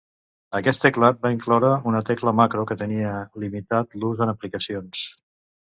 Aquest teclat va incloure una tecla Macro que tenia limitat l'ús en aplicacions.